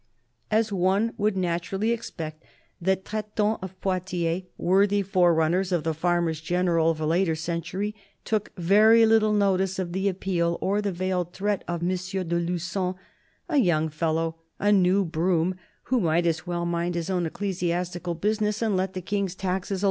As one would naturally expect, the traitants of Poitiers, worthy forerunners of the farmers general of a later century, took very little notice of the appeal or the veiled threat of M. de Lugon — a young fellow, a " new broom," who might as well mind his own ecclesiastical business and let the King's taxes